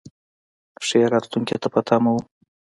ښې راتلونکې ته په تمه و.